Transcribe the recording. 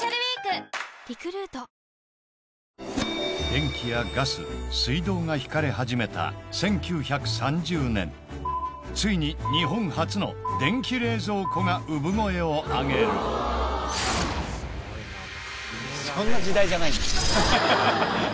電気やガス水道が引かれ始めたついに日本初の電気冷蔵庫が産声を上げるそんな時代じゃない。